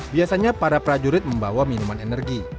biasanya para prajurit membawa minuman energi